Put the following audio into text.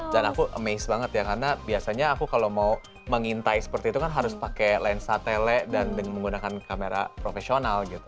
dan aku amaze banget ya karena biasanya aku kalau mau mengintai seperti itu kan harus pakai lensa tele dan menggunakan kamera profesional gitu